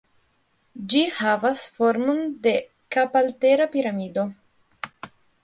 Ĝi havas formon de kapaltera piramido.